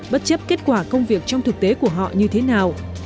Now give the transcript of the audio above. bất chấp kết quả công việc trong thực tế của họ như thế nào